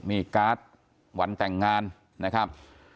นี่การ์ดวันแต่งงานนะครับ